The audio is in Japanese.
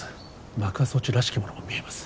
爆破装置らしきものも見えます